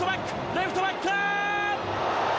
レフトバックー！